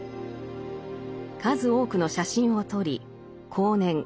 数多くの写真を撮り後年